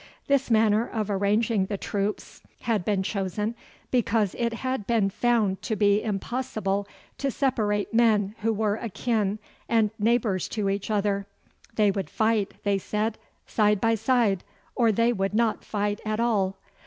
This manner of arranging the troops had been chosen because it had been found to be impossible to separate men who were akin and neighbours to each other. They would fight, they said, side by side, or they would not fight at all.